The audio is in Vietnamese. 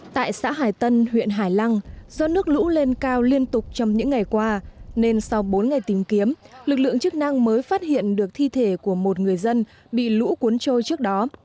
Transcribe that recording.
tại xã hải tân huyện hải lăng do nước lũ lên cao liên tục trong những ngày qua nên sau bốn ngày tìm kiếm lực lượng chức năng mới phát hiện được thi thể của một người dân bị lũ cuốn trôi trước đó